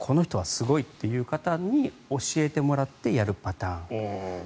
この方はすごいという方に教えてもらってやるパターン。